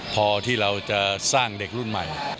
พอที่เราจะสร้างเด็กรุ่นใหม่